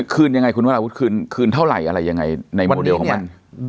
คืนยังไงคุณวราวุฒิคืนเท่าไหร่อะไรยังไงในโมเดลของมัน